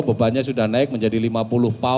bebannya sudah naik menjadi lima puluh pound